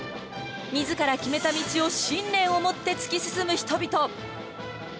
みずから決めた道を信念をもって突き進む人々。